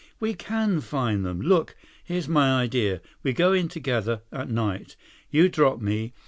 "We can find them. Look, here's my idea. We go in together. At night. You drop me.